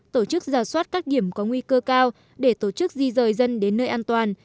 tổ chức giả soát các điểm có nguy cơ cao để tổ chức di rời dân đến nơi an toàn